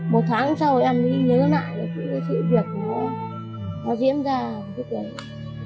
một tháng sau em mới nhớ lại cái sự việc của nó diễn ra